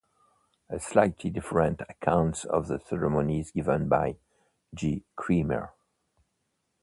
A slightly different account of the ceremony is given by J. Kreemer.